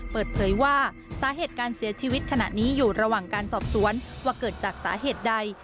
เปิดเผยว่าสาเหตุการเสียชีวิตขณะนี้อยู่ระหว่างการสอบสวนว่าเกิดจากสาเหตุใด